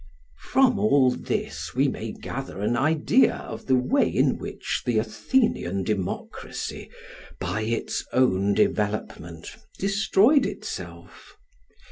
] From all this we may gather an idea of the way in which the Athenian democracy by its own development destroyed itself.